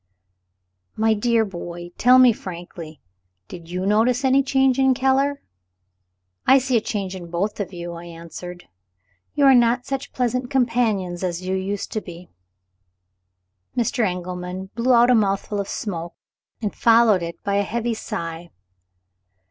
"My dear boy, tell me frankly, do you notice any change in Keller?" "I see a change in both of you," I answered: "you are not such pleasant companions as you used to be." Mr. Engelman blew out a mouthful of smoke, and followed it by a heavy sigh.